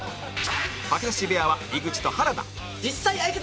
吐き出し部屋は井口と原田